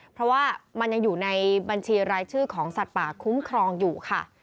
เพราะว่ามันยังอยู่ในบัญชีรายชื่อของสัตว์ป่าคุ้มครองอยู่ค่ะ